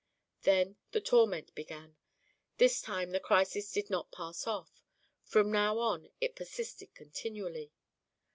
Then the torment began. This time the crisis did not pass off; from now on it persisted continually.